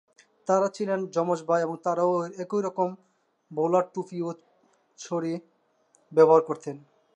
তারা ছিলেন যমজ ভাই আর তারাও একইরকম বোলার টুপি ও ছড়ি ব্যবহার করতেন।